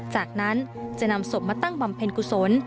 จากนั้นจะนำศพมาตั้งบำเพ็ญกุศล